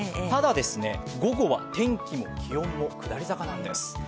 ただ、午後は天気も気温も下り坂なんです。